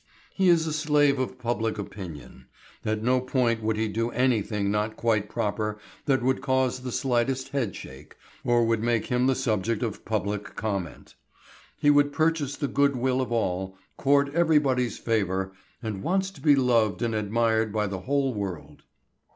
He is a slave of public opinion. At no price would he do anything not quite proper, that would cause the slightest head shake, or would make him the subject of public comment. He would purchase the good will of all, court everybody's favour, and wants to be loved and admired by the whole world.